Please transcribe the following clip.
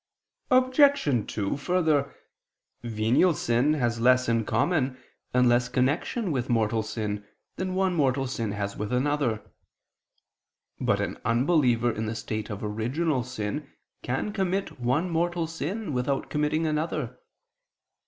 Obj. 2: Further, venial sin has less in common, and less connection with mortal sin, than one mortal sin has with another. But an unbeliever in the state of original sin, can commit one mortal sin without committing another.